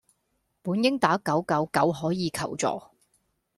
本應打九九九可以求助